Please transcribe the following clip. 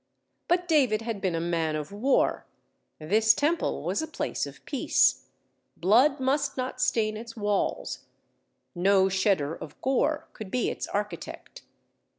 But David had been a man of war; this temple was a place of peace. Blood must not stain its walls; no shedder of gore could be its architect.